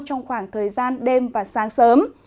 trong khoảng thời gian đêm và sáng sớm